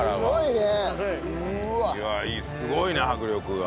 すごいね迫力が。